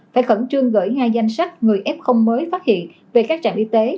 phải khẩn trương gửi ngay danh sách người f mới phát hiện về các trạm y tế